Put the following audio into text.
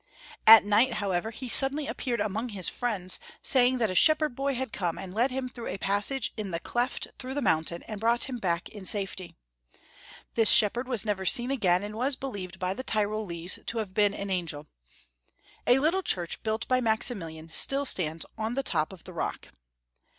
At night, however, he suddenly appeared among his friends, saying that a shepherd boy had come and led him through a passage in the cleft through the mountain, and brought him back in safety. This shepherd was never seen again, and was believed by the Tyrolese to have been an angel. A little church built *by Maximilian still stands on the top of the rock.